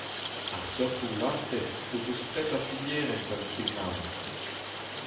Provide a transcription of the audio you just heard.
Ar seurtoù lastez o deus pep a filierenn talvoudekaat.